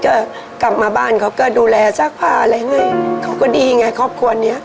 ก็กลับมาบ้านเขาก็ดูแลซักผ้าอะไรให้เขาก็ดีไงครอบครัวเนี้ย